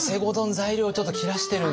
材料ちょっと切らしてるんですよね。